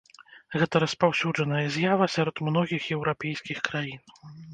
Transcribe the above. Гэта распаўсюджаная з'ява сярод многіх еўрапейскіх краін.